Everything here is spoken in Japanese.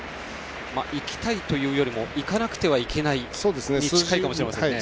いきたいというよりもいかなくてはいけないに近いかもしれませんね。